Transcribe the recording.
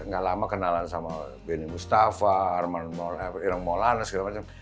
gak lama kenalan sama benny mustafa irmalna segala macam